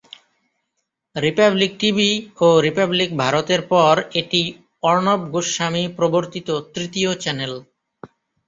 Republic TV ও Republic ভারতের পর, এটি অর্ণব গোস্বামী প্রবর্তিত তৃতীয় চ্যানেল।